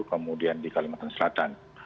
kemudian di kalimantan selatan